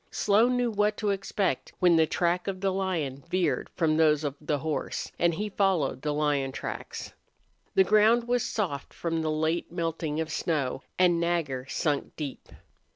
Slone knew what to expect when the track of the lion veered from those of the horse, and he followed the lion tracks. The ground was soft from the late melting of snow, and Nagger sunk deep.